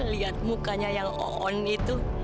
lihat mukanya yang oon itu